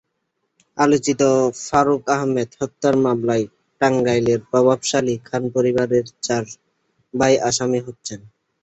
আলোচিত ফারুক আহমেদ হত্যা মামলায় টাঙ্গাইলের প্রভাবশালী খান পরিবারের চার ভাই আসামি হচ্ছেন।